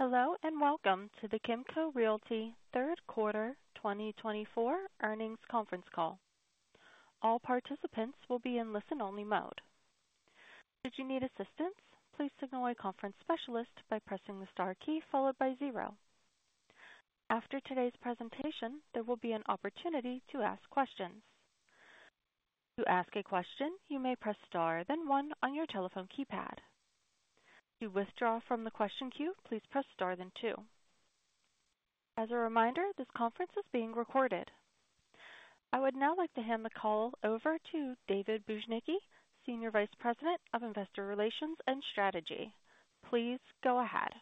Hello and welcome to the Kimco Realty Q3 2024 Earnings Conference Call. All participants will be in listen-only mode. Should you need assistance, please signal a conference specialist by pressing the star key followed by zero. After today's presentation, there will be an opportunity to ask questions. To ask a question, you may press star then one on your telephone keypad. To withdraw from the question queue, please press star then two. As a reminder, this conference is being recorded. I would now like to hand the call over to David Bujnicki, Senior Vice President of Investor Relations and Strategy. Please go ahead.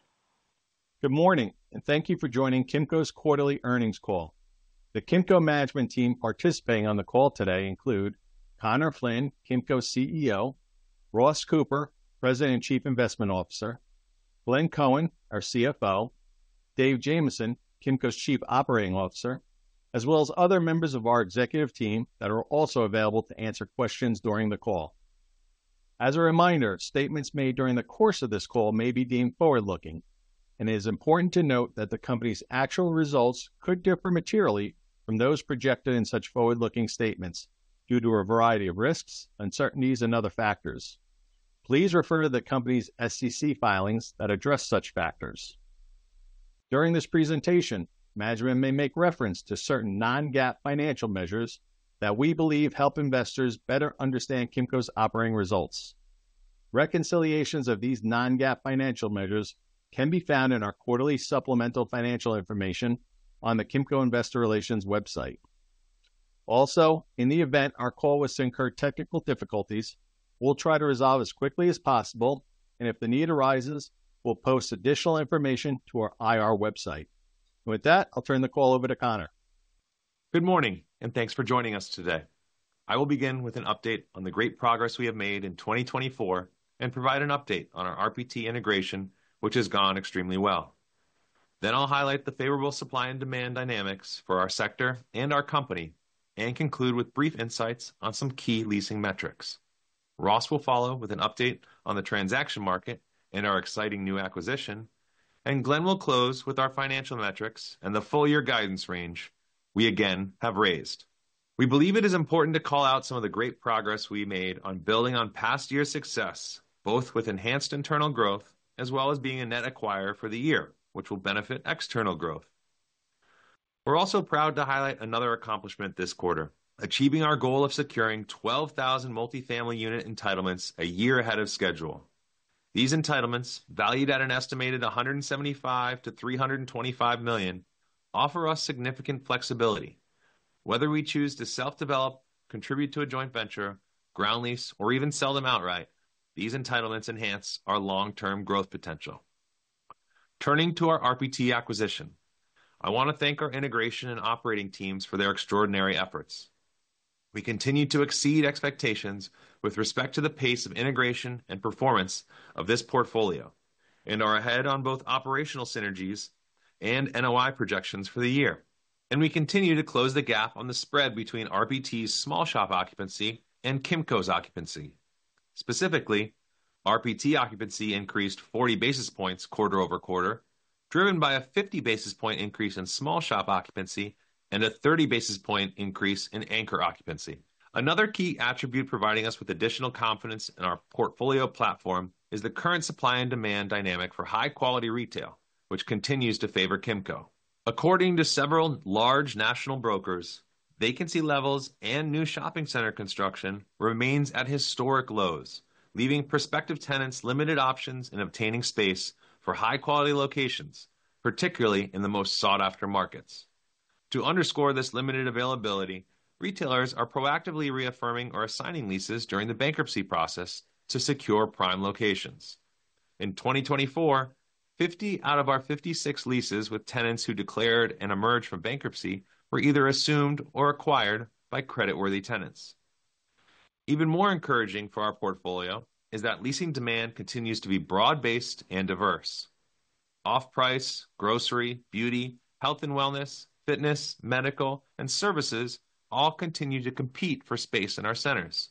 Good morning, and thank you for joining Kimco's Quarterly Earnings Call. The Kimco management team participating on the call today include Conor Flynn, Kimco's CEO, Ross Cooper, President and Chief Investment Officer, Glenn Cohen, our CFO, Dave Jamieson, Kimco's Chief Operating Officer, as well as other members of our executive team that are also available to answer questions during the call. As a reminder, statements made during the course of this call may be deemed forward-looking, and it is important to note that the company's actual results could differ materially from those projected in such forward-looking statements due to a variety of risks, uncertainties, and other factors. Please refer to the company's SEC filings that address such factors. During this presentation, management may make reference to certain non-GAAP financial measures that we believe help investors better understand Kimco's operating results. Reconciliations of these non-GAAP financial measures can be found in our quarterly supplemental financial information on the Kimco Investor Relations website. Also, in the event our call was to incur technical difficulties, we'll try to resolve as quickly as possible, and if the need arises, we'll post additional information to our IR website. With that, I'll turn the call over to Conor. Good morning, and thanks for joining us today. I will begin with an update on the great progress we have made in 2024 and provide an update on our RPT integration, which has gone extremely well. Then I'll highlight the favorable supply and demand dynamics for our sector and our company, and conclude with brief insights on some key leasing metrics. Ross will follow with an update on the transaction market and our exciting new acquisition, and Glenn will close with our financial metrics and the full-year guidance range we again have raised. We believe it is important to call out some of the great progress we made on building on past-year success, both with enhanced internal growth as well as being a net acquirer for the year, which will benefit external growth. We're also proud to highlight another accomplishment this quarter: achieving our goal of securing 12,000 multifamily unit entitlements a year ahead of schedule. These entitlements, valued at an estimated $175 million-$325 million, offer us significant flexibility. Whether we choose to self-develop, contribute to a joint venture, ground lease, or even sell them outright, these entitlements enhance our long-term growth potential. Turning to our RPT acquisition, I want to thank our integration and operating teams for their extraordinary efforts. We continue to exceed expectations with respect to the pace of integration and performance of this portfolio and are ahead on both operational synergies and NOI projections for the year, and we continue to close the gap on the spread between RPT's small shop occupancy and Kimco's occupancy. Specifically, RPT occupancy increased 40 basis points quarter over quarter, driven by a 50 basis point increase in small shop occupancy and a 30 basis point increase in anchor occupancy. Another key attribute providing us with additional confidence in our portfolio platform is the current supply and demand dynamic for high-quality retail, which continues to favor Kimco. According to several large national brokers, vacancy levels and new shopping center construction remain at historic lows, leaving prospective tenants limited options in obtaining space for high-quality locations, particularly in the most sought-after markets. To underscore this limited availability, retailers are proactively reaffirming or assigning leases during the bankruptcy process to secure prime locations. In 2024, 50 out of our 56 leases with tenants who declared and emerged from bankruptcy were either assumed or acquired by creditworthy tenants. Even more encouraging for our portfolio is that leasing demand continues to be broad-based and diverse. Off-price, grocery, beauty, health and wellness, fitness, medical, and services all continue to compete for space in our centers.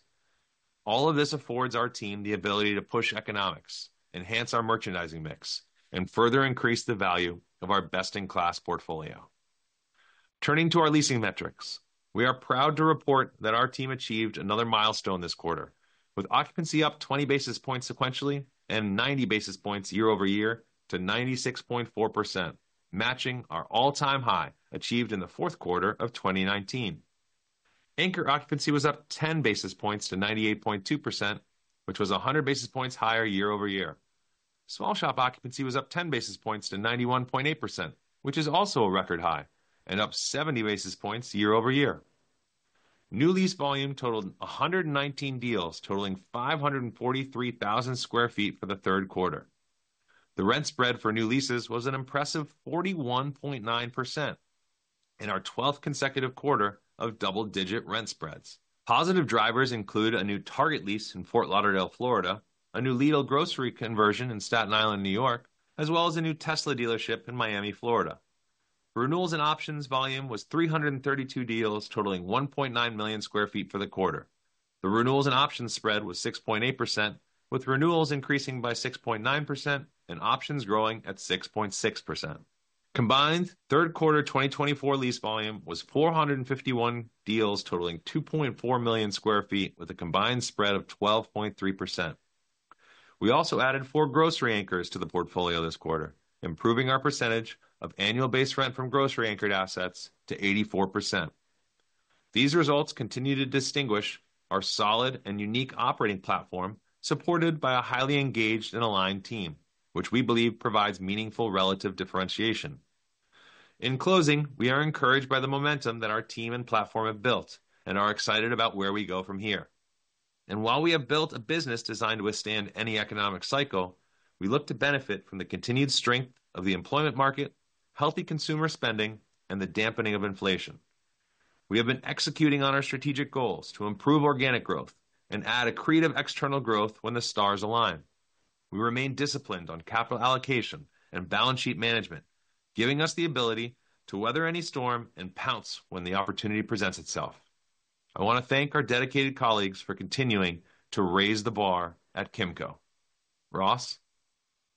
All of this affords our team the ability to push economics, enhance our merchandising mix, and further increase the value of our best-in-class portfolio. Turning to our leasing metrics, we are proud to report that our team achieved another milestone this quarter, with occupancy up 20 basis points sequentially and 90 basis points year-over-year to 96.4%, matching our all-time high achieved in the Q4 of 2019. Anchor occupancy was up 10 basis points to 98.2%, which was 100 basis points higher year-over-year. Small shop occupancy was up 10 basis points to 91.8%, which is also a record high, and up 70 basis points year-over-year. New lease volume totaled 119 deals, totaling 543,000 sq ft for the Q3. The rent spread for new leases was an impressive 41.9% in our 12th consecutive quarter of double-digit rent spreads. Positive drivers include a new Target lease in Fort Lauderdale, Florida, a new Lidl grocery conversion in Staten Island, New York, as well as a new Tesla dealership in Miami, Florida. Renewals and options volume was 332 deals, totaling 1.9 million sq ft for the quarter. The renewals and options spread was 6.8%, with renewals increasing by 6.9% and options growing at 6.6%. Combined, Q3 2024 lease volume was 451 deals, totaling 2.4 million sq ft, with a combined spread of 12.3%. We also added four grocery anchors to the portfolio this quarter, improving our percentage of annual base rent from grocery-anchored assets to 84%. These results continue to distinguish our solid and unique operating platform, supported by a highly engaged and aligned team, which we believe provides meaningful relative differentiation. In closing, we are encouraged by the momentum that our team and platform have built and are excited about where we go from here. And while we have built a business designed to withstand any economic cycle, we look to benefit from the continued strength of the employment market, healthy consumer spending, and the dampening of inflation. We have been executing on our strategic goals to improve organic growth and add accretive external growth when the stars align. We remain disciplined on capital allocation and balance sheet management, giving us the ability to weather any storm and pounce when the opportunity presents itself. I want to thank our dedicated colleagues for continuing to raise the bar at Kimco. Ross?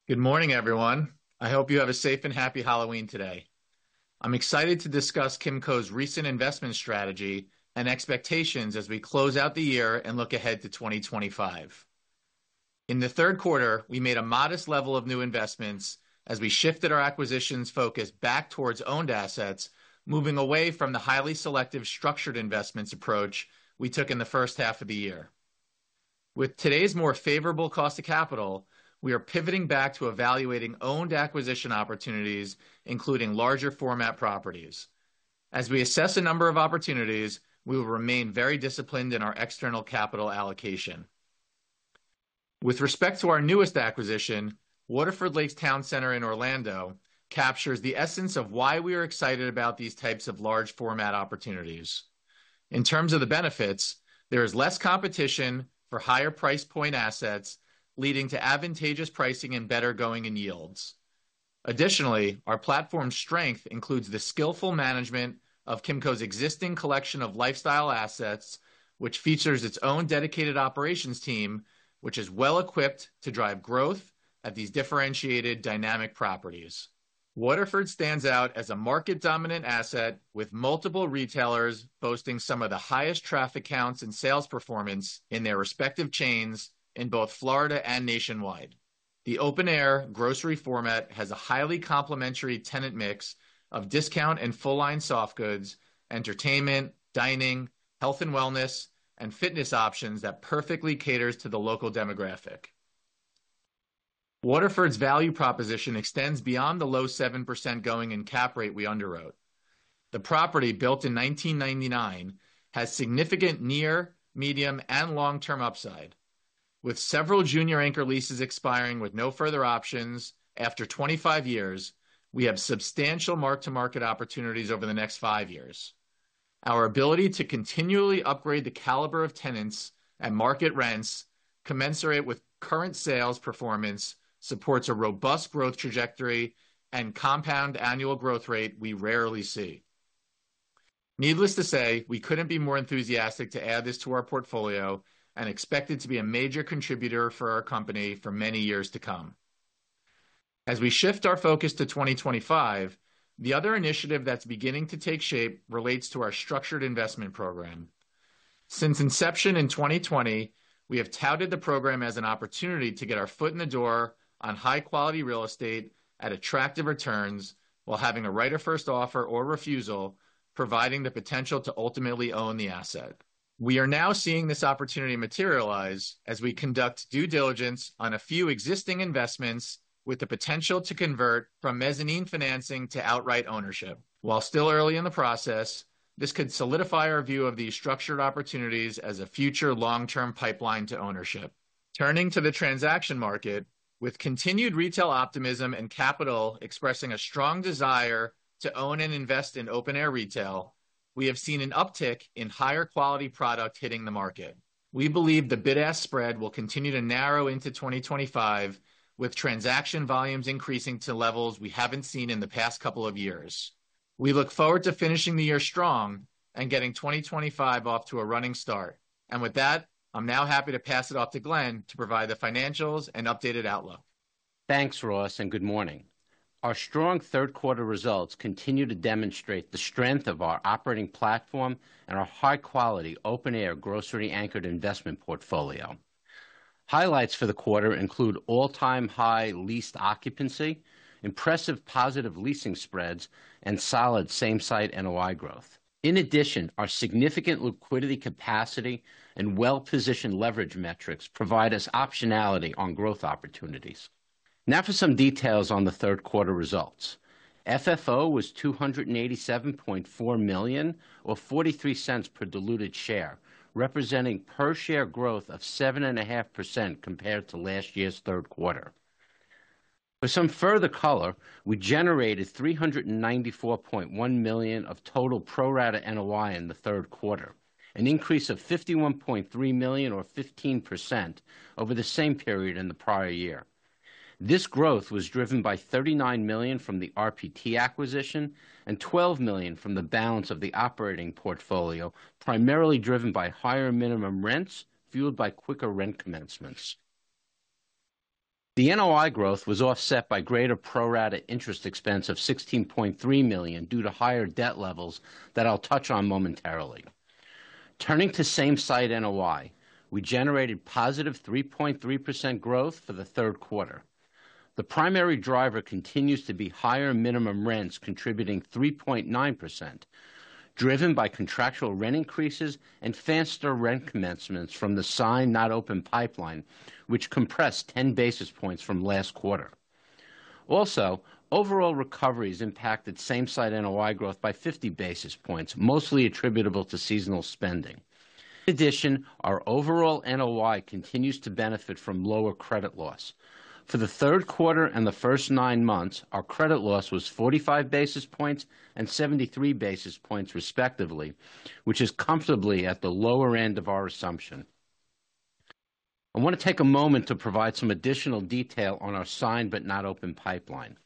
Good morning, everyone. I hope you have a safe and happy Halloween today. I'm excited to discuss Kimco's recent investment strategy and expectations as we close out the year and look ahead to 2025. In the Q3, we made a modest level of new investments as we shifted our acquisitions focus back towards owned assets, moving away from the highly selective structured investments approach we took in the first half of the year. With today's more favorable cost of capital, we are pivoting back to evaluating owned acquisition opportunities, including larger format properties. As we assess a number of opportunities, we will remain very disciplined in our external capital allocation. With respect to our newest acquisition, Waterford Lakes Town Center in Orlando captures the essence of why we are excited about these types of large format opportunities. In terms of the benefits, there is less competition for higher price point assets, leading to advantageous pricing and better going in yields. Additionally, our platform's strength includes the skillful management of Kimco's existing collection of lifestyle assets, which features its own dedicated operations team, which is well equipped to drive growth at these differentiated dynamic properties. Waterford stands out as a market-dominant asset, with multiple retailers boasting some of the highest traffic counts and sales performance in their respective chains in both Florida and nationwide. The open-air grocery format has a highly complementary tenant mix of discount and full-line soft goods, entertainment, dining, health and wellness, and fitness options that perfectly caters to the local demographic. Waterford's value proposition extends beyond the low 7% going in cap rate we underwrote. The property, built in 1999, has significant near, medium, and long-term upside. With several junior anchor leases expiring with no further options after 25 years, we have substantial mark-to-market opportunities over the next five years. Our ability to continually upgrade the caliber of tenants and market rents commensurate with current sales performance supports a robust growth trajectory and compound annual growth rate we rarely see. Needless to say, we couldn't be more enthusiastic to add this to our portfolio and expect it to be a major contributor for our company for many years to come. As we shift our focus to 2025, the other initiative that's beginning to take shape relates to our structured investment program. Since inception in 2020, we have touted the program as an opportunity to get our foot in the door on high-quality real estate at attractive returns while having a right of first offer or refusal, providing the potential to ultimately own the asset. We are now seeing this opportunity materialize as we conduct due diligence on a few existing investments with the potential to convert from mezzanine financing to outright ownership. While still early in the process, this could solidify our view of these structured opportunities as a future long-term pipeline to ownership. Turning to the transaction market, with continued retail optimism and capital expressing a strong desire to own and invest in open-air retail, we have seen an uptick in higher quality product hitting the market. We believe the bid-ask spread will continue to narrow into 2025, with transaction volumes increasing to levels we haven't seen in the past couple of years. We look forward to finishing the year strong and getting 2025 off to a running start. And with that, I'm now happy to pass it off to Glenn to provide the financials and updated outlook. Thanks, Ross, and good morning. Our strong Q3 results continue to demonstrate the strength of our operating platform and our high-quality open-air grocery-anchored investment portfolio. Highlights for the quarter include all-time high leased occupancy, impressive positive leasing spreads, and solid Same-Site NOI growth. In addition, our significant liquidity capacity and well-positioned leverage metrics provide us optionality on growth opportunities. Now for some details on theQ3 results. FFO was $287.4 million or $0.43 per diluted share, representing per-share growth of 7.5% compared to last year's Q3. For some further color, we generated $394.1 million of total pro-rata NOI in the Q3, an increase of $51.3 million or 15% over the same period in the prior year. This growth was driven by $39 million from the RPT acquisition and $12 million from the balance of the operating portfolio, primarily driven by higher minimum rents fueled by quicker rent commencements. The NOI growth was offset by greater pro-rata interest expense of $16.3 million due to higher debt levels that I'll touch on momentarily. Turning to same-site NOI, we generated positive 3.3% growth for the Q3. The primary driver continues to be higher minimum rents contributing 3.9%, driven by contractual rent increases and faster rent commencements from the Signed Not Open pipeline, which compressed 10 basis points from last quarter. Also, overall recovery has impacted same-site NOI growth by 50 basis points, mostly attributable to seasonal spending. In addition, our overall NOI continues to benefit from lower credit loss. For the Q3 and the first nine months, our credit loss was 45 basis points and 73 basis points respectively, which is comfortably at the lower end of our assumption. I want to take a moment to provide some additional detail on our Signed Not Open pipeline.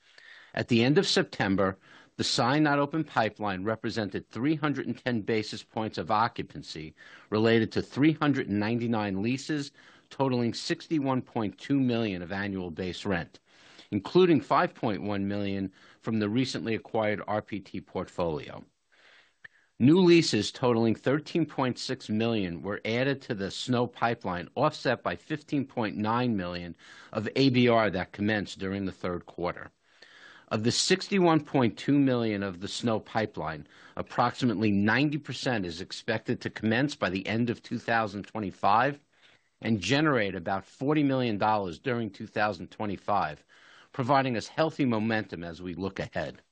At the end of September, the Signed Not Open pipeline represented 310 basis points of occupancy related to 399 leases totaling $61.2 million of annual base rent, including $5.1 million from the recently acquired RPT portfolio. New leases totaling $13.6 million were added to the SNO pipeline, offset by $15.9 million of ABR that commenced during the Q3. Of the $61.2 million of the SNO pipeline, approximately 90% is expected to commence by the end of 2025 and generate about $40 million during 2025, providing us healthy momentum as we look ahead.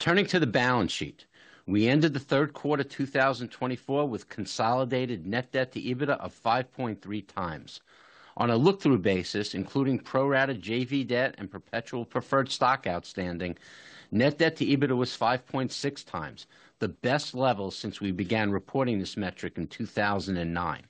Turning to the balance sheet, we ended the Q3 2024 with consolidated net debt to EBITDA of 5.3 times. On a look-through basis, including pro-rata JV debt and perpetual preferred stock outstanding, net debt to EBITDA was 5.6 times, the best level since we began reporting this metric in 2009.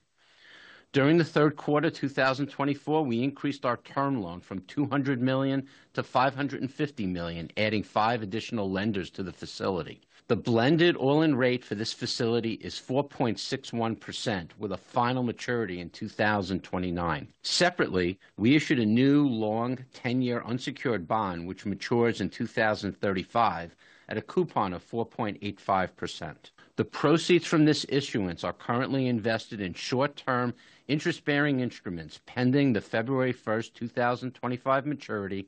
During the Q3 2024, we increased our term loan from $200 million to $550 million, adding five additional lenders to the facility. The blended all-in rate for this facility is 4.61%, with a final maturity in 2029. Separately, we issued a new long 10-year unsecured bond, which matures in 2035 at a coupon of 4.85%. The proceeds from this issuance are currently invested in short-term interest-bearing instruments pending the February 1, 2025 maturity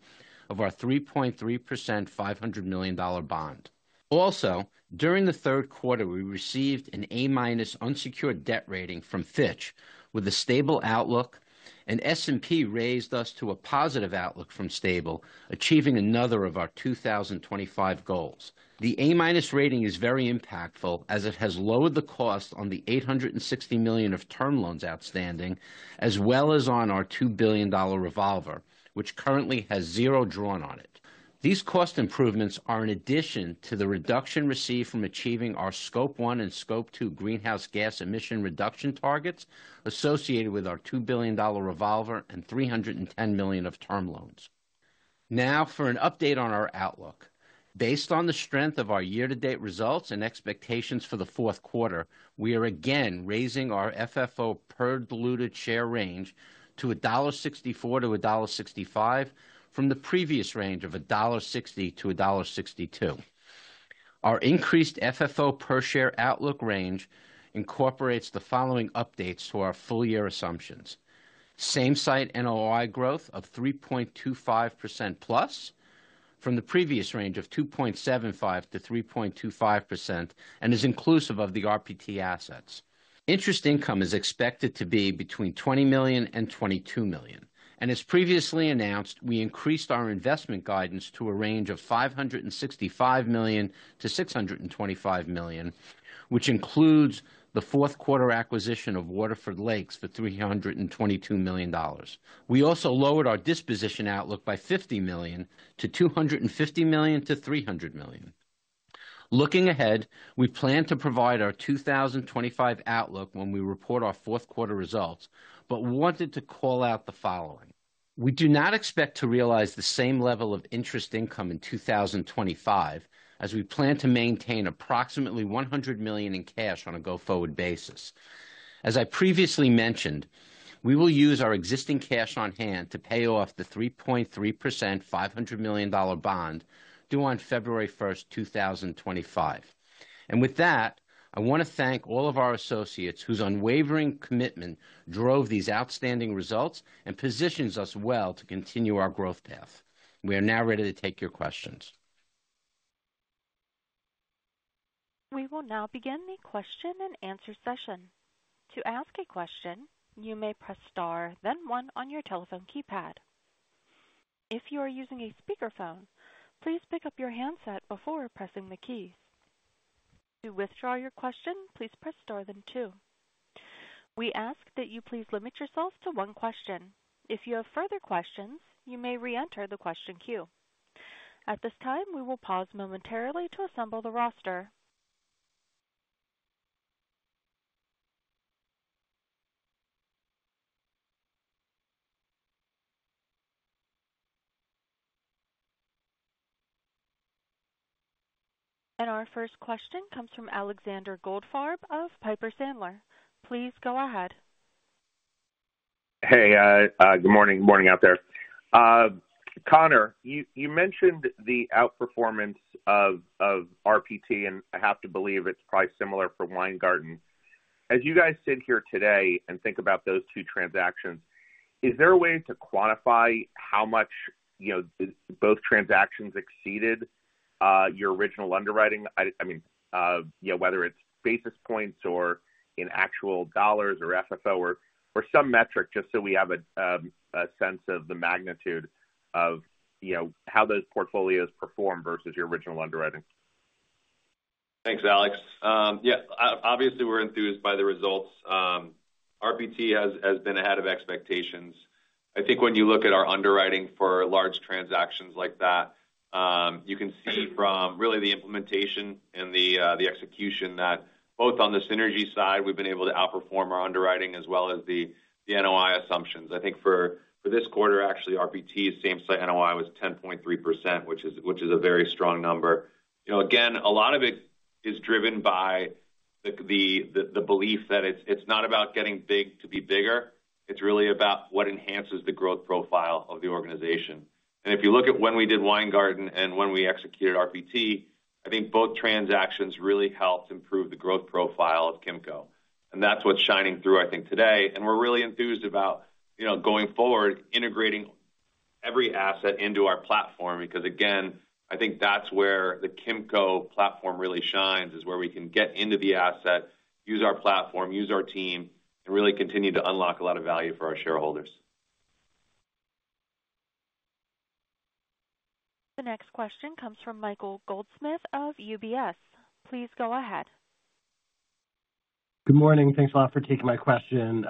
of our 3.3% $500 million bond. Also, during the Q3, we received an A- unsecured debt rating from Fitch, with a stable outlook, and S&P raised us to a positive outlook from stable, achieving another of our 2025 goals. The A- rating is very impactful as it has lowered the cost on the $860 million of term loans outstanding, as well as on our $2 billion revolver, which currently has zero drawn on it. These cost improvements are in addition to the reduction received from achieving our Scope 1 and Scope 2 greenhouse gas emission reduction targets associated with our $2 billion revolver and $310 million of term loans. Now for an update on our outlook. Based on the strength of our year-to-date results and expectations for the Q4, we are again raising our FFO per-diluted share range to $1.64-$1.65 from the previous range of $1.60-$1.62. Our increased FFO per-share outlook range incorporates the following updates to our full-year assumptions. Same-site NOI growth of 3.25% plus from the previous range of 2.75%-3.25% and is inclusive of the RPT assets. Interest income is expected to be between $20 million and $22 million. And as previously announced, we increased our investment guidance to a range of $565 million-$625 million, which includes the Q4 acquisition of Waterford Lakes for $322 million. We also lowered our disposition outlook by $50 million to $250 million-$300 million. Looking ahead, we plan to provide our 2025 outlook when we report our Q4 results, but wanted to call out the following. We do not expect to realize the same level of interest income in 2025, as we plan to maintain approximately $100 million in cash on a go-forward basis. As I previously mentioned, we will use our existing cash on hand to pay off the 3.3% $500 million bond due on February 1, 2025, and with that, I want to thank all of our associates whose unwavering commitment drove these outstanding results and positions us well to continue our growth path. We are now ready to take your questions. We will now begin the question and answer session. To ask a question, you may press star, then one on your telephone keypad. If you are using a speakerphone, please pick up your handset before pressing the keys. To withdraw your question, please press star, then two. We ask that you please limit yourself to one question. If you have further questions, you may re-enter the question queue. At this time, we will pause momentarily to assemble the roster. And our first question comes from Alexander Goldfarb of Piper Sandler. Please go ahead. Hey, good morning, good morning out there. Conor, you mentioned the outperformance of RPT, and I have to believe it's probably similar for Weingarten. As you guys sit here today and think about those two transactions, is there a way to quantify how much both transactions exceeded your original underwriting? I mean, whether it's basis points or in actual dollars or FFO or some metric, just so we have a sense of the magnitude of how those portfolios perform versus your original underwriting. Thanks, Alex. Yeah, obviously, were enthused by the results. RPT has been ahead of expectations. I think when you look at our underwriting for large transactions like that, you can see from really the implementation and the execution that both on the synergy side, we've been able to outperform our underwriting as well as the NOI assumptions. I think for this quarter, actually, RPT's same-site NOI was 10.3%, which is a very strong number. Again, a lot of it is driven by the belief that it's not about getting big to be bigger. It's really about what enhances the growth profile of the organization. And if you look at when we did Weingarten and when we executed RPT, I think both transactions really helped improve the growth profile of Kimco. And that's what's shining through, I think, today. We're really enthused about going forward, integrating every asset into our platform because, again, I think that's where the Kimco platform really shines, is where we can get into the asset, use our platform, use our team, and really continue to unlock a lot of value for our shareholders. The next question comes from Michael Goldsmith of UBS. Please go ahead. Good morning. Thanks a lot for taking my question.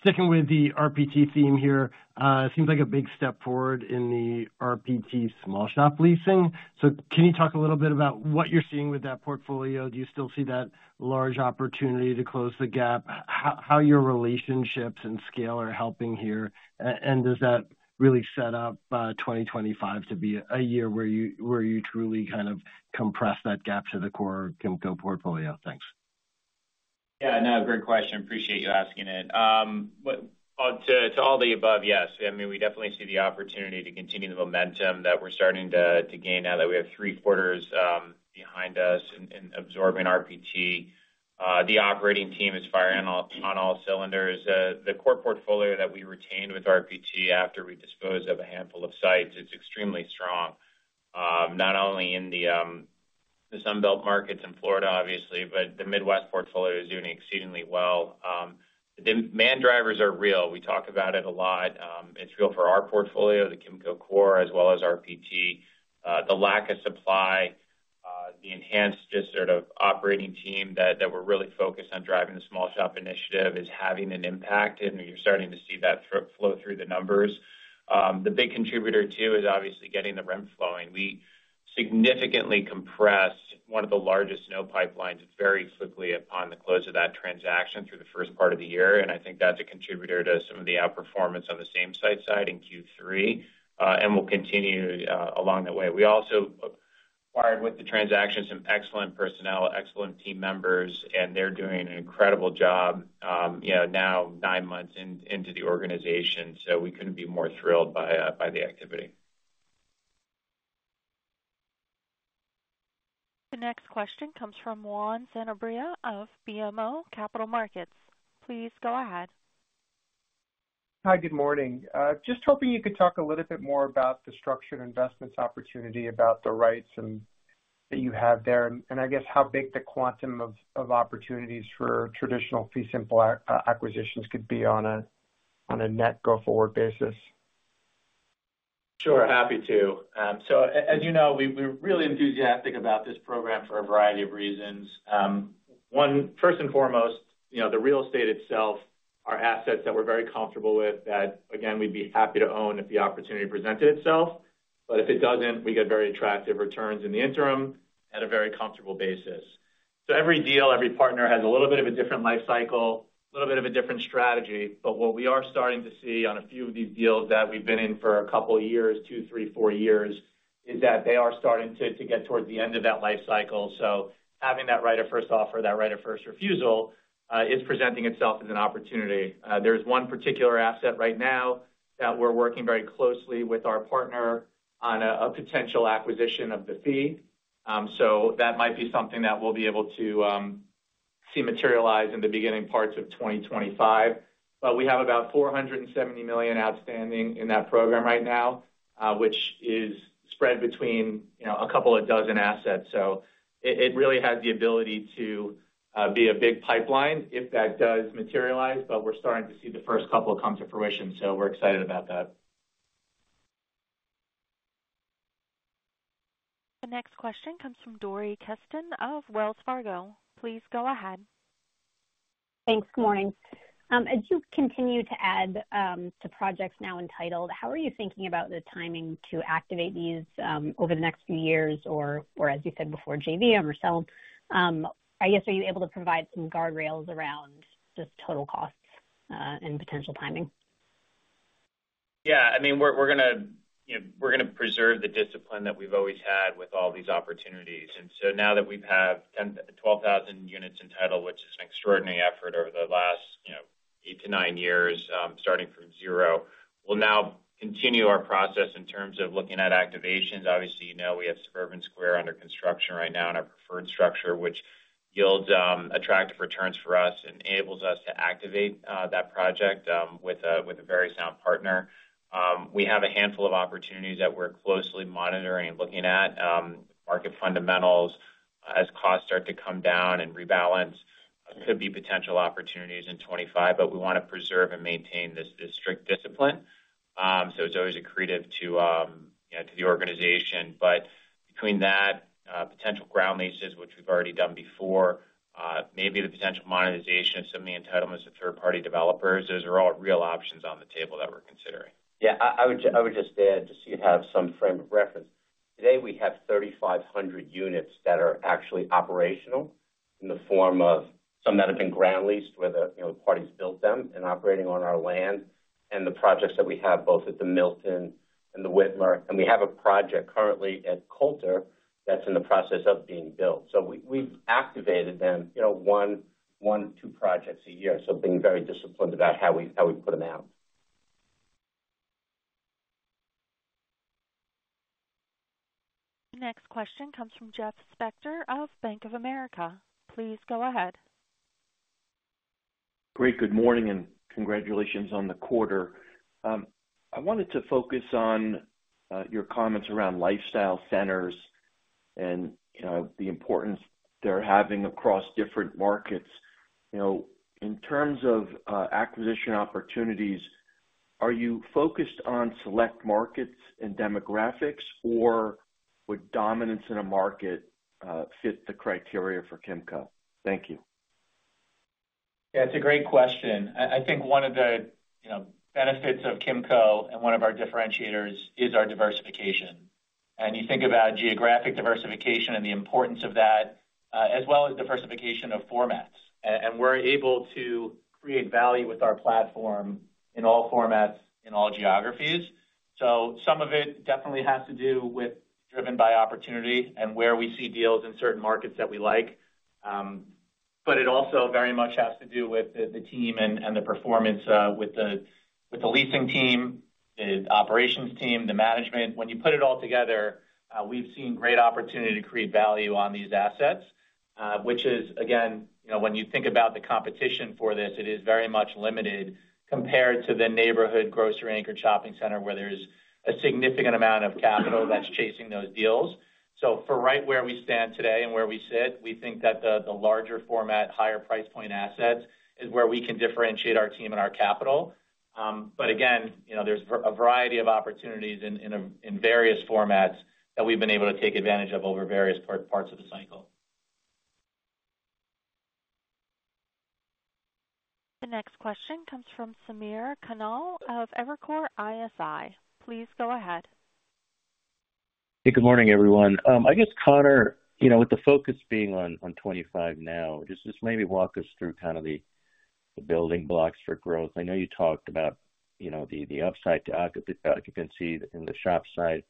Sticking with the RPT theme here, it seems like a big step forward in the RPT small shop leasing. So can you talk a little bit about what you're seeing with that portfolio? Do you still see that large opportunity to close the gap? How are your relationships and scale helping here? And does that really set up 2025 to be a year where you truly kind of compress that gap to the core Kimco portfolio? Thanks. Yeah, no, great question. Appreciate you asking it. To all the above, yes. I mean, we definitely see the opportunity to continue the momentum that we're starting to gain now that we have three quarters behind us in absorbing RPT. The operating team is firing on all cylinders. The core portfolio that we retained with RPT after we disposed of a handful of sites is extremely strong, not only in the Sunbelt markets in Florida, obviously, but the Midwest portfolio is doing exceedingly well. The demand drivers are real. We talk about it a lot. It's real for our portfolio, the Kimco core, as well as RPT. The lack of supply, the enhanced just sort of operating team that we're really focused on driving the small shop initiative is having an impact, and you're starting to see that flow through the numbers. The big contributor, too, is obviously getting the rent flowing. We significantly compressed one of the largest SNO pipelines very quickly upon the close of that transaction through the first part of the year, and I think that's a contributor to some of the outperformance on the same-site side in Q3 and will continue along that way. We also acquired with the transaction some excellent personnel, excellent team members, and they're doing an incredible job now nine months into the organization, so we couldn't be more thrilled by the activity. The next question comes from Juan Sanabria of BMO Capital Markets. Please go ahead. Hi, good morning. Just hoping you could talk a little bit more about the structured investments opportunity, about the rights that you have there, and I guess how big the quantum of opportunities for traditional fee simple acquisitions could be on a net go-forward basis. Sure, happy to. So as you know, we're really enthusiastic about this program for a variety of reasons. One, first and foremost, the real estate itself are assets that we're very comfortable with that, again, we'd be happy to own if the opportunity presented itself. But if it doesn't, we get very attractive returns in the interim at a very comfortable basis. So every deal, every partner has a little bit of a different life cycle, a little bit of a different strategy. But what we are starting to see on a few of these deals that we've been in for a couple of years, two, three, four years, is that they are starting to get towards the end of that life cycle. So having that right of first offer, that right of first refusal is presenting itself as an opportunity. There's one particular asset right now that we're working very closely with our partner on a potential acquisition of the fee. So that might be something that we'll be able to see materialize in the beginning parts of 2025. But we have about $470 million outstanding in that program right now, which is spread between a couple of dozen assets. So it really has the ability to be a big pipeline if that does materialize. But we're starting to see the first couple come to fruition. So we're excited about that. The next question comes from Dory Keston of Wells Fargo. Please go ahead. Thanks. Good morning. As you continue to add to projects now entitled, how are you thinking about the timing to activate these over the next few years or, as you said before, JV or Marcel? I guess, are you able to provide some guardrails around just total costs and potential timing? Yeah. I mean, we're going to preserve the discipline that we've always had with all these opportunities. And so now that we have 12,000 units entitled, which is an extraordinary effort over the last eight to nine years, starting from zero, we'll now continue our process in terms of looking at activations. Obviously, you know we have Suburban Square under construction right now in our preferred structure, which yields attractive returns for us and enables us to activate that project with a very sound partner. We have a handful of opportunities that were closely monitoring and looking at. Market fundamentals, as costs start to come down and rebalance, could be potential opportunities in 2025. But we want to preserve and maintain this strict discipline. So it's always a credit to the organization. But between that, potential ground leases, which we've already done before, maybe the potential monetization of some of the entitlements of third-party developers, those are all real options on the table that we're considering. Yeah, I would just add, just so you have some frame of reference. Today, we have 3,500 units that are actually operational in the form of some that have been ground leased where the parties built them and operating on our land and the projects that we have both at The Milton and The Witmer, and we have a project currently at The Coulter that's in the process of being built, so we've activated them one or two projects a year, so being very disciplined about how we put them out. The next question comes from Jeff Spector of Bank of America. Please go ahead. Great. Good morning and congratulations on the quarter. I wanted to focus on your comments around lifestyle centers and the importance they're having across different markets. In terms of acquisition opportunities, are you focused on select markets and demographics, or would dominance in a market fit the criteria for Kimco? Thank you. Yeah, it's a great question. I think one of the benefits of Kimco and one of our differentiators is our diversification. And you think about geographic diversification and the importance of that, as well as diversification of formats. And we're able to create value with our platform in all formats in all geographies. So some of it definitely has to do with driven by opportunity and where we see deals in certain markets that we like. But it also very much has to do with the team and the performance with the leasing team, the operations team, the management. When you put it all together, we've seen great opportunity to create value on these assets, which is, again, when you think about the competition for this, it is very much limited compared to the neighborhood grocery anchor shopping center where there's a significant amount of capital that's chasing those deals. So, for right where we stand today and where we sit, we think that the larger format, higher price point assets is where we can differentiate our team and our capital. But again, there's a variety of opportunities in various formats that we've been able to take advantage of over various parts of the cycle. The next question comes from Samir Khanal of Evercore ISI. Please go ahead. Hey, good morning, everyone. I guess, Conor, with the focus being on 2025 now, just maybe walk us through kind of the building blocks for growth. I know you talked about the upside to occupancy in the shop side.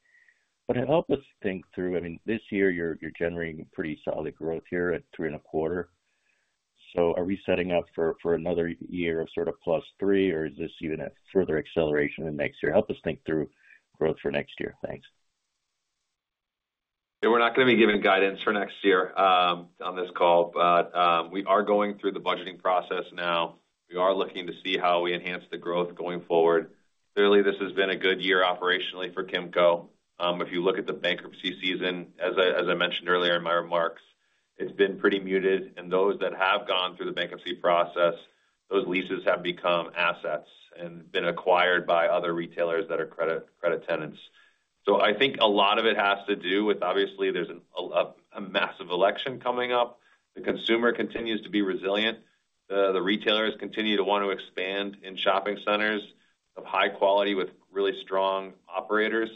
But help us think through, I mean, this year, you're generating pretty solid growth here at 3.25%. So are we setting up for another year of sort of plus 3%, or is this even a further acceleration in next year? Help us think through growth for next year. Thanks. Yeah, we're not going to be giving guidance for next year on this call. But we are going through the budgeting process now. We are looking to see how we enhance the growth going forward. Clearly, this has been a good year operationally for Kimco. If you look at the bankruptcy season, as I mentioned earlier in my remarks, it's been pretty muted. And those that have gone through the bankruptcy process, those leases have become assets and been acquired by other retailers that are credit tenants. So I think a lot of it has to do with, obviously, there's a massive election coming up. The consumer continues to be resilient. The retailers continue to want to expand in shopping centers of high quality with really strong operators.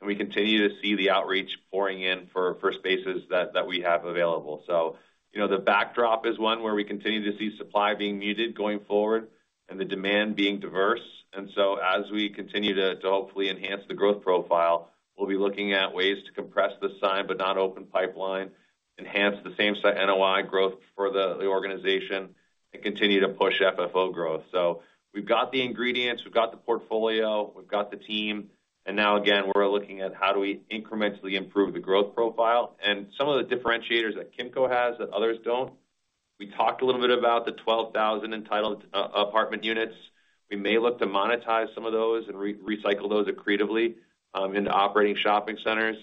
And we continue to see the outreach pouring in for spaces that we have available. So the backdrop is one where we continue to see supply being muted going forward and the demand being diverse. And so as we continue to hopefully enhance the growth profile, we'll be looking at ways to compress the Signed Not Open pipeline, enhance the same-site NOI growth for the organization, and continue to push FFO growth. So we've got the ingredients. We've got the portfolio. We've got the team. And now, again, we're looking at how do we incrementally improve the growth profile. And some of the differentiators that Kimco has that others don't, we talked a little bit about the 12,000 entitled apartment units. We may look to monetize some of those and recycle those accretively into operating shopping centers.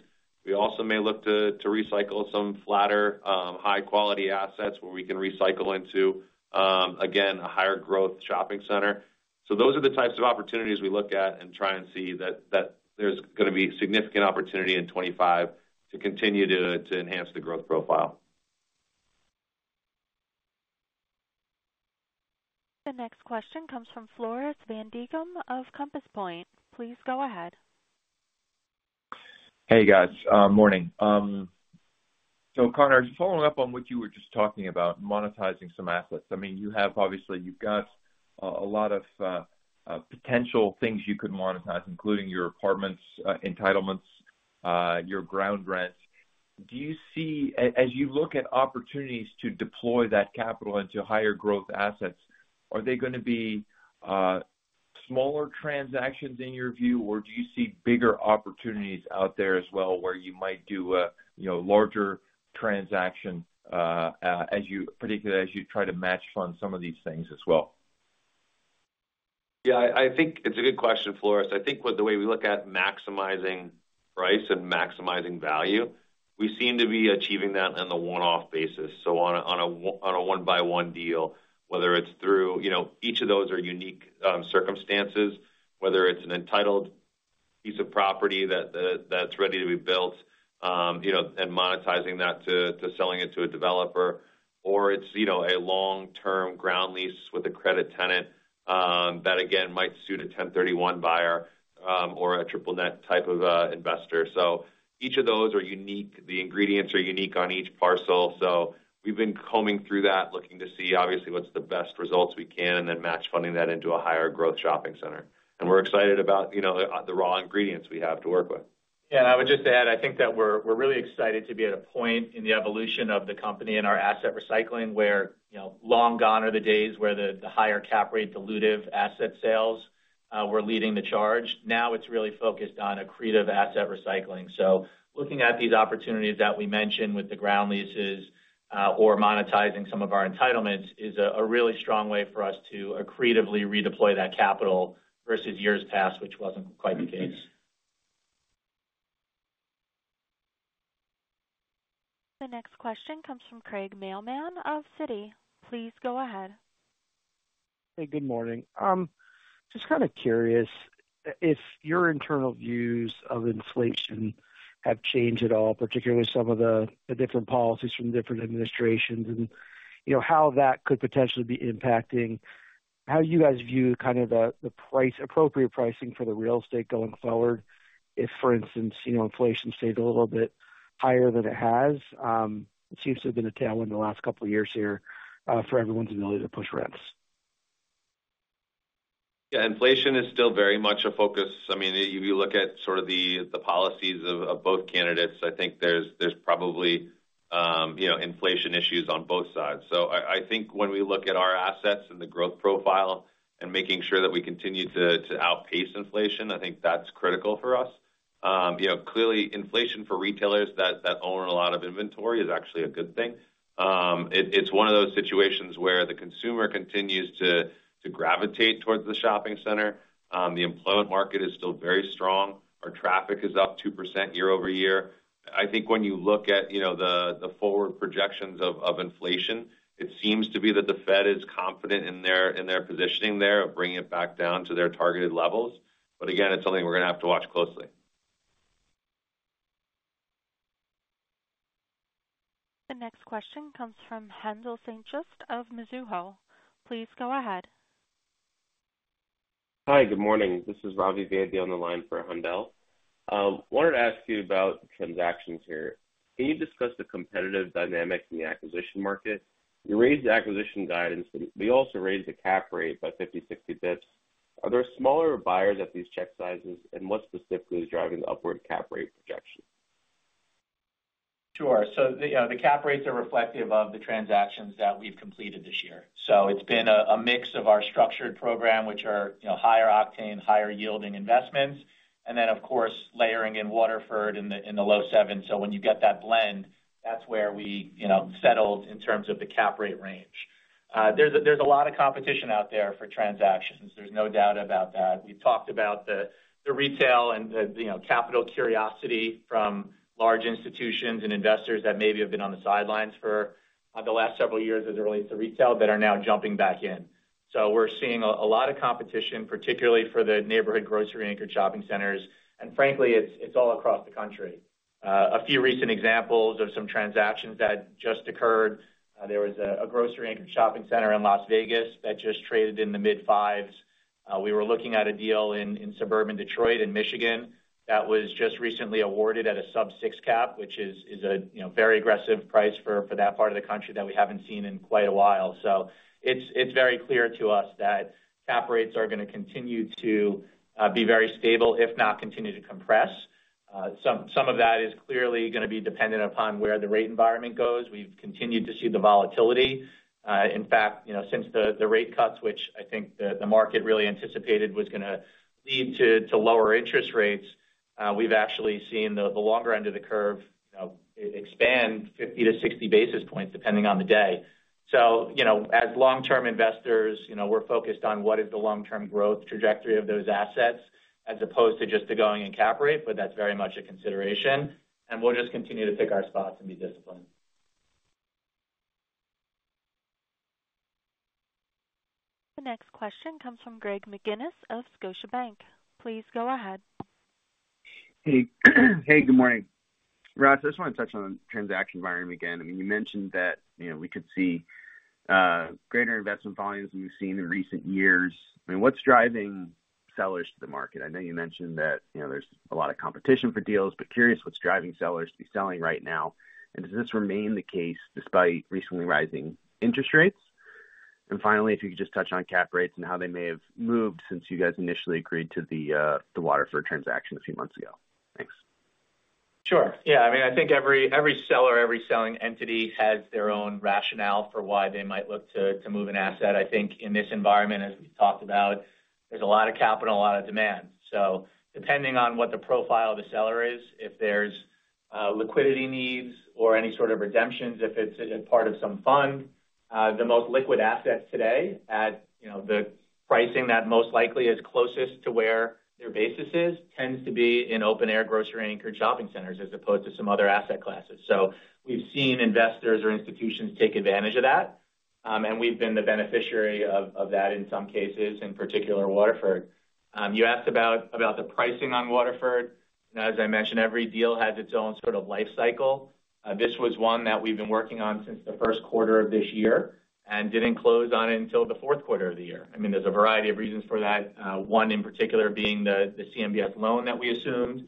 We also may look to recycle some flatter, high-quality assets where we can recycle into, again, a higher growth shopping center. Those are the types of opportunities we look at and try and see that there's going to be significant opportunity in 2025 to continue to enhance the growth profile. The next question comes from Floris van Dijkum of Compass Point. Please go ahead. Hey, guys. Morning. So, Conor, following up on what you were just talking about, monetizing some assets, I mean, you have obviously you've got a lot of potential things you could monetize, including your apartments, entitlements, your ground rent. Do you see, as you look at opportunities to deploy that capital into higher growth assets, are they going to be smaller transactions in your view, or do you see bigger opportunities out there as well where you might do a larger transaction, particularly as you try to match fund some of these things as well? Yeah, I think it's a good question, Floris. I think the way we look at maximizing price and maximizing value, we seem to be achieving that on a one-off basis. So on a one-by-one deal, whether it's through each of those are unique circumstances, whether it's an entitled piece of property that's ready to be built and monetizing that to selling it to a developer, or it's a long-term ground lease with a credit tenant that, again, might suit a 1031 buyer or a triple net type of investor. So each of those are unique. The ingredients are unique on each parcel. So we've been combing through that, looking to see, obviously, what's the best results we can and then match funding that into a higher growth shopping center. And we're excited about the raw ingredients we have to work with. Yeah, and I would just add, I think that we're really excited to be at a point in the evolution of the company and our asset recycling where long gone are the days where the higher cap rate dilutive asset sales were leading the charge. Now it's really focused on accretive asset recycling. So looking at these opportunities that we mentioned with the ground leases or monetizing some of our entitlements is a really strong way for us to accretively redeploy that capital versus years past, which wasn't quite the case. The next question comes from Craig Mailman of Citi. Please go ahead. Hey, good morning. Just kind of curious if your internal views of inflation have changed at all, particularly some of the different policies from different administrations and how that could potentially be impacting how you guys view kind of the appropriate pricing for the real estate going forward if, for instance, inflation stayed a little bit higher than it has? It seems to have been a tailwind the last couple of years here for everyone's ability to push rents. Yeah, inflation is still very much a focus. I mean, you look at sort of the policies of both candidates. I think there's probably inflation issues on both sides. So I think when we look at our assets and the growth profile and making sure that we continue to outpace inflation, I think that's critical for us. Clearly, inflation for retailers that own a lot of inventory is actually a good thing. It's one of those situations where the consumer continues to gravitate towards the shopping center. The employment market is still very strong. Our traffic is up 2% year-over-year. I think when you look at the forward projections of inflation, it seems to be that the Fed is confident in their positioning there of bringing it back down to their targeted levels. But again, it's something we're going to have to watch closely. The next question comes from Haendel St. Juste of Mizuho. Please go ahead. Hi, good morning. This is Ravi Vaidya on the line for Haendel. I wanted to ask you about transactions here. Can you discuss the competitive dynamic in the acquisition market? You raised the acquisition guidance, but you also raised the cap rate by 50, 60 basis points. Are there smaller buyers at these check sizes, and what specifically is driving the upward cap rate projection? Sure. So the cap rates are reflective of the transactions that we've completed this year. So it's been a mix of our structured program, which are higher octane, higher yielding investments, and then, of course, layering in Waterford in the low seven. So when you get that blend, that's where we settled in terms of the cap rate range. There's a lot of competition out there for transactions. There's no doubt about that. We've talked about the retail and capital curiosity from large institutions and investors that maybe have been on the sidelines for the last several years as it relates to retail that are now jumping back in. So we're seeing a lot of competition, particularly for the neighborhood grocery anchor shopping centers. And frankly, it's all across the country. A few recent examples of some transactions that just occurred. There was a grocery anchor shopping center in Las Vegas that just traded in the mid fives. We were looking at a deal in suburban Detroit, Michigan that was just recently awarded at a sub six cap, which is a very aggressive price for that part of the country that we haven't seen in quite a while. So it's very clear to us that cap rates are going to continue to be very stable, if not continue to compress. Some of that is clearly going to be dependent upon where the rate environment goes. We've continued to see the volatility. In fact, since the rate cuts, which I think the market really anticipated was going to lead to lower interest rates, we've actually seen the longer end of the curve expand 50 to 60 basis points depending on the day. So as long-term investors, we're focused on what is the long-term growth trajectory of those assets as opposed to just the going in cap rate, but that's very much a consideration. And we'll just continue to pick our spots and be disciplined. The next question comes from Greg McGinniss of Scotiabank. Please go ahead. Hey, good morning. Ross, I just want to touch on the transaction environment again. I mean, you mentioned that we could see greater investment volumes than we've seen in recent years. I mean, what's driving sellers to the market? I know you mentioned that there's a lot of competition for deals, but curious what's driving sellers to be selling right now. And does this remain the case despite recently rising interest rates? And finally, if you could just touch on cap rates and how they may have moved since you guys initially agreed to the Waterford transaction a few months ago. Thanks. Sure. Yeah. I mean, I think every seller, every selling entity has their own rationale for why they might look to move an asset. I think in this environment, as we've talked about, there's a lot of capital, a lot of demand. So depending on what the profile of the seller is, if there's liquidity needs or any sort of redemptions, if it's part of some fund, the most liquid assets today at the pricing that most likely is closest to where their basis is tends to be in open-air grocery anchor shopping centers as opposed to some other asset classes. So we've seen investors or institutions take advantage of that. And we've been the beneficiary of that in some cases, in particular, Waterford. You asked about the pricing on Waterford. As I mentioned, every deal has its own sort of life cycle. This was one that we've been working on since the Q1 of this year and didn't close on it until the Q4 of the year. I mean, there's a variety of reasons for that. One in particular being the CMBS loan that we assumed,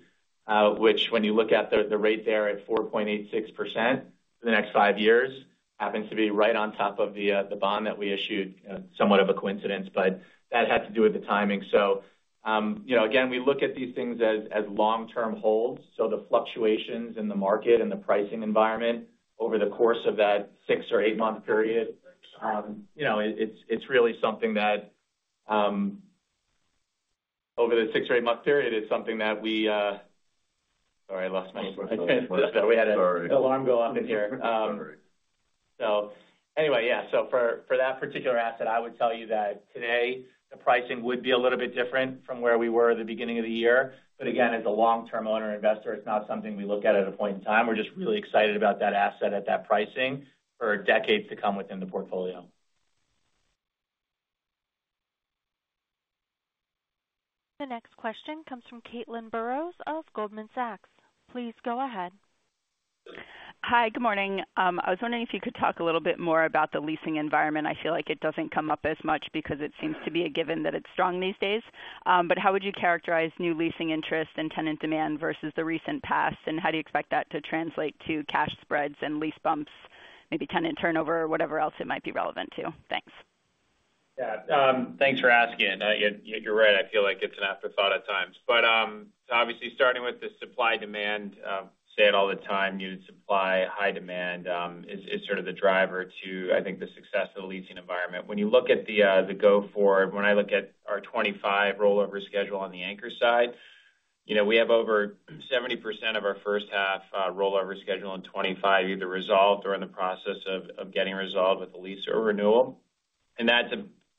which when you look at the rate there at 4.86% for the next five years happens to be right on top of the bond that we issued, somewhat of a coincidence, but that had to do with the timing. So again, we look at these things as long-term holds. So the fluctuations in the market and the pricing environment over the course of that six- or eight-month period, it's really something that we. Sorry, I lost my voice. We had an alarm go off in here. So anyway, yeah. So for that particular asset, I would tell you that today, the pricing would be a little bit different from where we were at the beginning of the year, but again, as a long-term owner investor, it's not something we look at at a point in time. We're just really excited about that asset at that pricing for decades to come within the portfolio. The next question comes from Caitlin Burrows of Goldman Sachs. Please go ahead. Hi, good morning. I was wondering if you could talk a little bit more about the leasing environment. I feel like it doesn't come up as much because it seems to be a given that it's strong these days. But how would you characterize new leasing interest and tenant demand versus the recent past? And how do you expect that to translate to cash spreads and lease bumps, maybe tenant turnover, or whatever else it might be relevant to? Thanks. Yeah. Thanks for asking. You're right. I feel like it's an afterthought at times. But obviously, starting with the supply-demand, say it all the time, supply, high demand is sort of the driver to, I think, the success of the leasing environment. When you look at the go-forward, when I look at our 2025 rollover schedule on the anchor side, we have over 70% of our first half rollover schedule in 2025 either resolved or in the process of getting resolved with a lease or renewal. And that's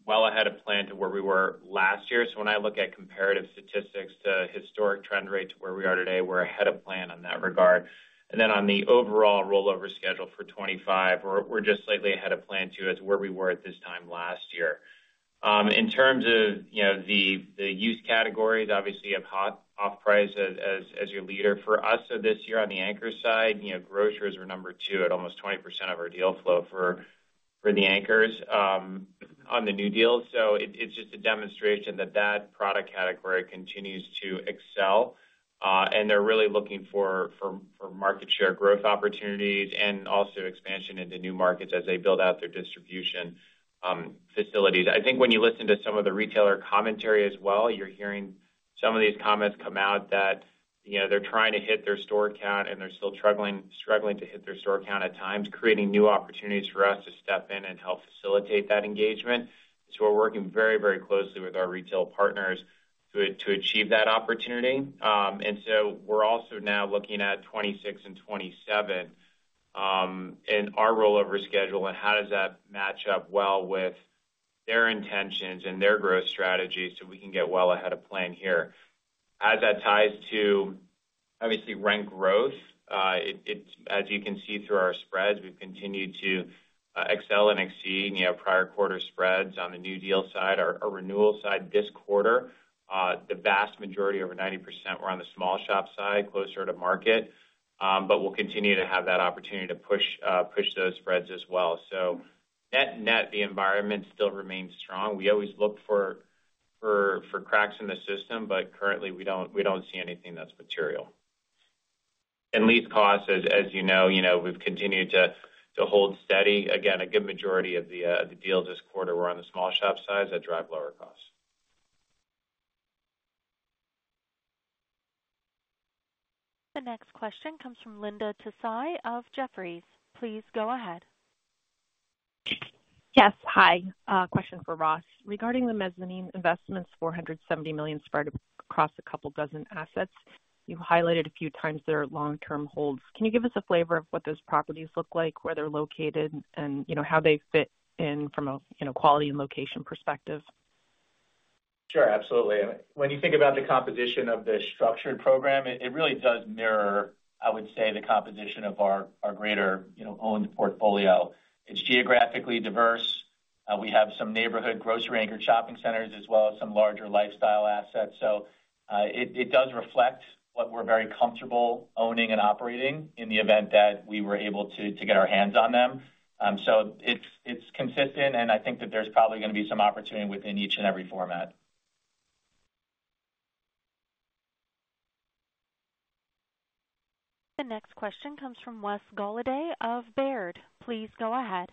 well ahead of plan to where we were last year. So when I look at comparative statistics to historic trend rate to where we are today, we're ahead of plan in that regard. And then on the overall rollover schedule for 2025, we're just slightly ahead of plan too as to where we were at this time last year. In terms of the use categories, obviously, you have off-price as your leader. For us this year on the anchor side, grocers are number two at almost 20% of our deal flow for the anchors on the new deal, so it's just a demonstration that that product category continues to excel, and they're really looking for market share growth opportunities and also expansion into new markets as they build out their distribution facilities. I think when you listen to some of the retailer commentary as well, you're hearing some of these comments come out that they're trying to hit their store count, and they're still struggling to hit their store count at times, creating new opportunities for us to step in and help facilitate that engagement, so we're working very, very closely with our retail partners to achieve that opportunity. We're also now looking at 2026 and 2027 and our rollover schedule and how does that match up well with their intentions and their growth strategy so we can get well ahead of plan here. As that ties to, obviously, rent growth, as you can see through our spreads, we've continued to excel and exceed prior quarter spreads on the new deal side. Our renewal side this quarter, the vast majority, over 90%, were on the small shop side, closer to market. But we'll continue to have that opportunity to push those spreads as well. So net net, the environment still remains strong. We always look for cracks in the system, but currently, we don't see anything that's material. And lease costs, as you know, we've continued to hold steady. Again, a good majority of the deals this quarter were on the small shop sides that drive lower costs. The next question comes from Linda Tsai of Jefferies. Please go ahead. Yes. Hi. Question for Ross. Regarding the mezzanine investments, $470 million spread across a couple dozen assets, you highlighted a few times their long-term holds. Can you give us a flavor of what those properties look like, where they're located, and how they fit in from a quality and location perspective? Sure. Absolutely. When you think about the composition of the structured program, it really does mirror, I would say, the composition of our greater owned portfolio. It's geographically diverse. We have some neighborhood grocery anchor shopping centers as well as some larger lifestyle assets. So it does reflect what we're very comfortable owning and operating in the event that we were able to get our hands on them. So it's consistent, and I think that there's probably going to be some opportunity within each and every format. The next question comes from Wes Golladay of Baird. Please go ahead.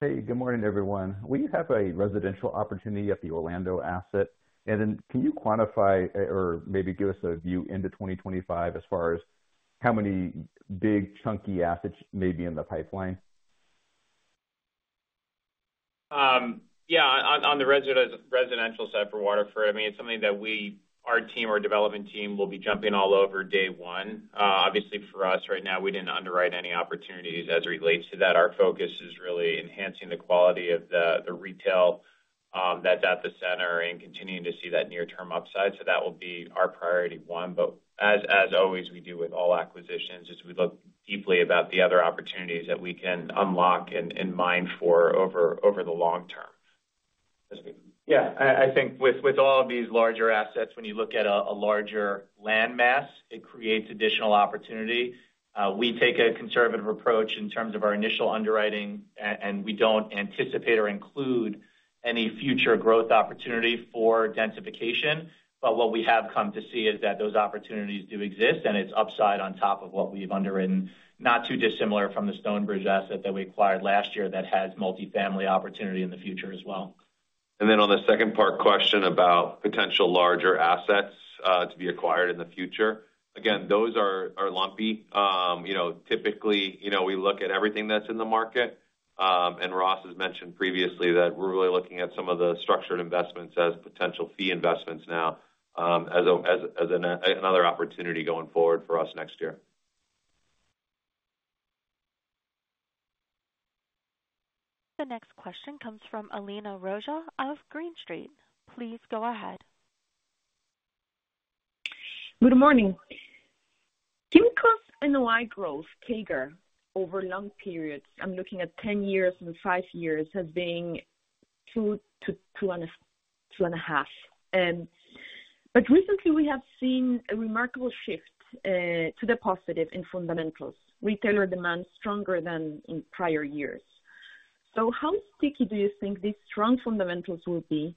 Hey, good morning, everyone. We have a residential opportunity at the Orlando asset, and then can you quantify or maybe give us a view into 2025 as far as how many big, chunky assets may be in the pipeline? Yeah. On the residential side for Waterford, I mean, it's something that our development team will be jumping all over day one. Obviously, for us right now, we didn't underwrite any opportunities as it relates to that. Our focus is really enhancing the quality of the retail that's at the center and continuing to see that near-term upside. So that will be our priority one. But as always, we do with all acquisitions, is we look deeply about the other opportunities that we can unlock and mine for over the long term. Yeah. I think with all of these larger assets, when you look at a larger landmass, it creates additional opportunity. We take a conservative approach in terms of our initial underwriting, and we don't anticipate or include any future growth opportunity for densification. But what we have come to see is that those opportunities do exist, and it's upside on top of what we've underwritten, not too dissimilar from the Stonebridge asset that we acquired last year that has multifamily opportunity in the future as well. And then on the second part question about potential larger assets to be acquired in the future, again, those are lumpy. Typically, we look at everything that's in the market. And Ross has mentioned previously that we're really looking at some of the structured investments as potential fee investments now as another opportunity going forward for us next year. The next question comes from Paulina Rojas Schmidt of Green Street. Please go ahead. Good morning. Kimco's annual growth CAGR over long periods, I'm looking at 10 years and 5 years, has been 2%-2.5%. But recently, we have seen a remarkable shift to the positive in fundamentals, retailer demand stronger than in prior years. So how sticky do you think these strong fundamentals will be,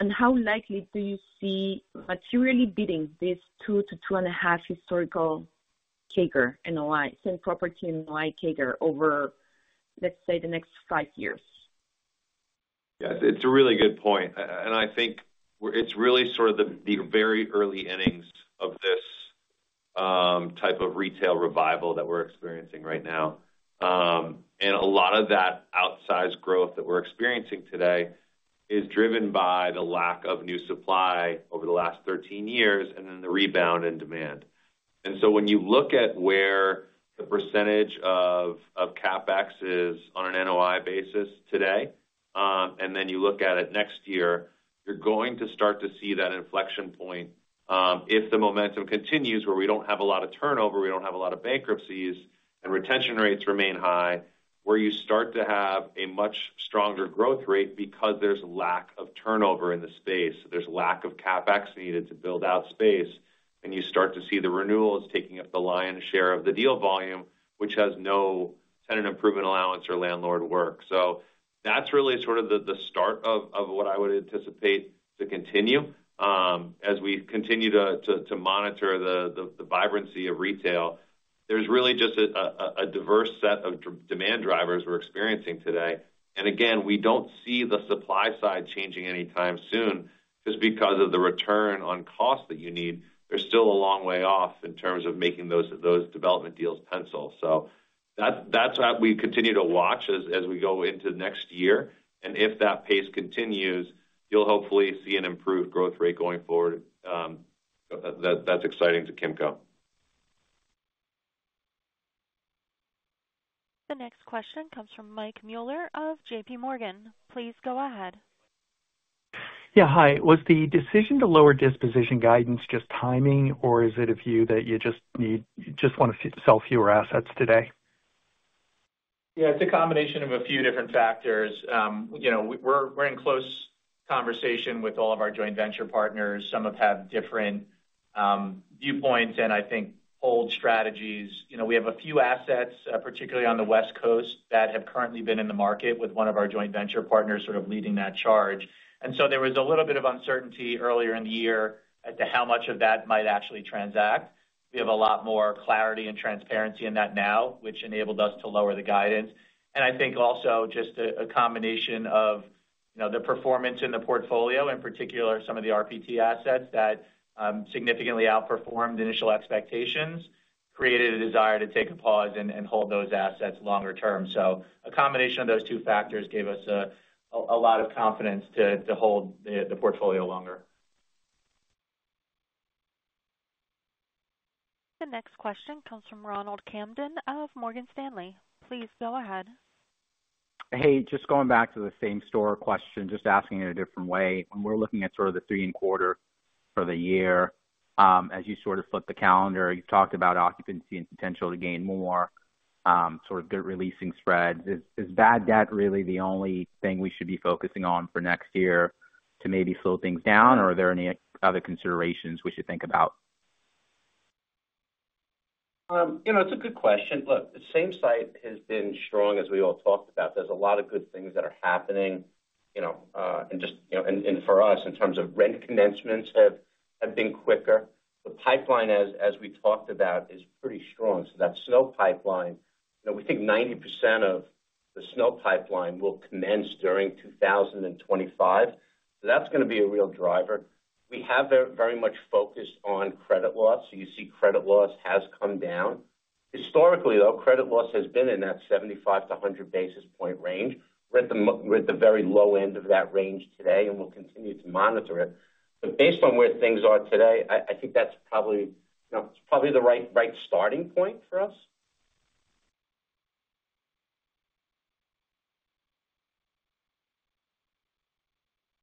and how likely do you see materially beating this 2%-2.5% historical CAGR and property NOI CAGR over, let's say, the next 5 years? Yeah. It's a really good point. And I think it's really sort of the very early innings of this type of retail revival that we're experiencing right now. And a lot of that outsized growth that we're experiencing today is driven by the lack of new supply over the last 13 years and then the rebound in demand. And so when you look at where the percentage of CapEx is on an NOI basis today, and then you look at it next year, you're going to start to see that inflection point. If the momentum continues where we don't have a lot of turnover, we don't have a lot of bankruptcies, and retention rates remain high, where you start to have a much stronger growth rate because there's a lack of turnover in the space, there's a lack of CapEx needed to build out space, and you start to see the renewals taking up the lion's share of the deal volume, which has no tenant improvement allowance or landlord work. So that's really sort of the start of what I would anticipate to continue. As we continue to monitor the vibrancy of retail, there's really just a diverse set of demand drivers we're experiencing today. And again, we don't see the supply side changing anytime soon just because of the return on cost that you need. There's still a long way off in terms of making those development deals pencil. That's what we continue to watch as we go into the next year. If that pace continues, you'll hopefully see an improved growth rate going forward. That's exciting to Kimco. The next question comes from Mike Mueller of JPMorgan. Please go ahead. Yeah. Hi. Was the decision to lower disposition guidance just timing, or is it a view that you just want to sell fewer assets today? Yeah. It's a combination of a few different factors. We're in close conversation with all of our joint venture partners. Some have had different viewpoints and, I think, hold strategies. We have a few assets, particularly on the West Coast, that have currently been in the market with one of our joint venture partners sort of leading that charge, and so there was a little bit of uncertainty earlier in the year as to how much of that might actually transact. We have a lot more clarity and transparency in that now, which enabled us to lower the guidance, and I think also just a combination of the performance in the portfolio, in particular, some of the RPT assets that significantly outperformed initial expectations, created a desire to take a pause and hold those assets longer term. A combination of those two factors gave us a lot of confidence to hold the portfolio longer. The next question comes from Ronald Kamdem of Morgan Stanley. Please go ahead. Hey, just going back to the same store question, just asking in a different way. When we're looking at sort of the Q3 for the year, as you sort of flip the calendar, you've talked about occupancy and potential to gain more, sort of good re-leasing spreads. Is bad debt really the only thing we should be focusing on for next year to maybe slow things down, or are there any other considerations we should think about? It's a good question. Look, the same site has been strong, as we all talked about. There's a lot of good things that are happening. And just for us, in terms of rent commencements have been quicker. The pipeline, as we talked about, is pretty strong. So that SNO pipeline, we think 90% of the SNO pipeline will commence during 2025. So that's going to be a real driver. We have very much focused on credit loss. So you see credit loss has come down. Historically, though, credit loss has been in that 75 to 100 basis point range. We're at the very low end of that range today, and we'll continue to monitor it. But based on where things are today, I think that's probably the right starting point for us.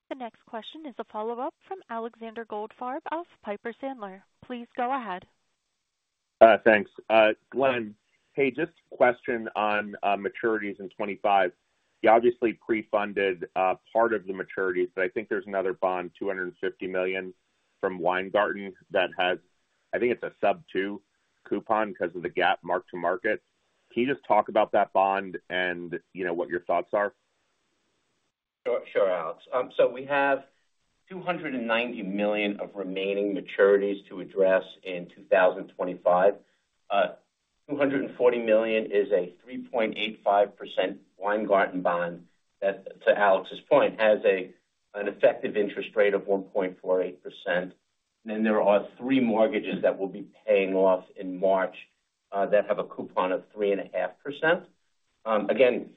The next question is a follow-up from Alexander Goldfarb of Piper Sandler. Please go ahead. Thanks. Glenn, hey, just a question on maturities in 2025. He obviously pre-funded part of the maturities, but I think there's another bond, $250 million from Weingarten that has, I think it's a sub-2% coupon because of the GAAP mark-to-market. Can you just talk about that bond and what your thoughts are? Sure, Alex. So we have $290 million of remaining maturities to address in 2025. $240 million is a 3.85% Weingarten bond that, to Alex's point, has an effective interest rate of 1.48%. And then there are three mortgages that we'll be paying off in March that have a coupon of 3.5%. Again,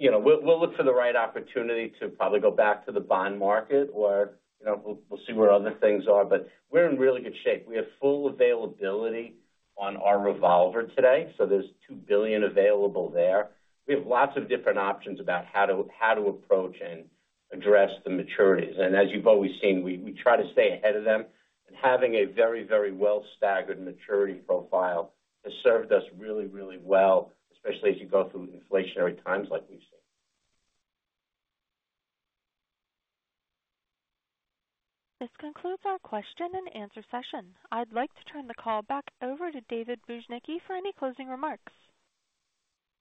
we'll look for the right opportunity to probably go back to the bond market, or we'll see where other things are. But we're in really good shape. We have full availability on our revolver today. So there's $2 billion available there. We have lots of different options about how to approach and address the maturities. And as you've always seen, we try to stay ahead of them. And having a very, very well-staggered maturity profile has served us really, really well, especially as you go through inflationary times like we've seen. This concludes our question and answer session. I'd like to turn the call back over to David Bujnicki for any closing remarks.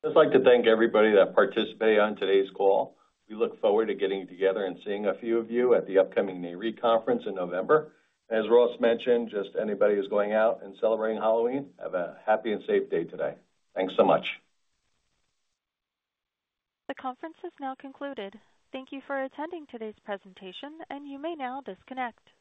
I'd just like to thank everybody that participated on today's call. We look forward to getting together and seeing a few of you at the upcoming Nareit conference in November, and as Ross mentioned, just anybody who's going out and celebrating Halloween, have a happy and safe day today. Thanks so much. The conference has now concluded. Thank you for attending today's presentation, and you may now disconnect.